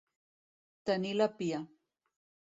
Tenir la pia.